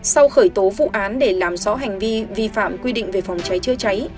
sau khởi tố vụ án để làm rõ hành vi vi phạm quy định về phòng cháy chữa cháy